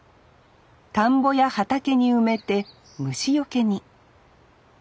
田んぼや畑に埋めて虫よけに。